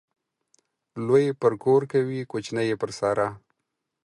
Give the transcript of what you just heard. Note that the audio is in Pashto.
لوى يې پر کور کوي ، کوچنى يې پر سارا.